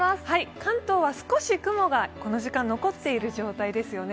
関東は少し雲がこの時間残っている状態ですよね。